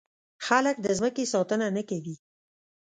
خلک د ځمکې ساتنه نه کوي.